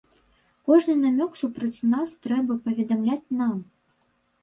Кожны намёк супроць нас трэба паведамляць нам.